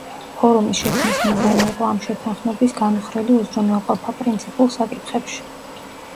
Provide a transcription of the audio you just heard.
ფორუმის შექმნის მიზანი იყო ამ შეთანხმების განუხრელი უზრუნველყოფა, პრინციპულ საკითხებში.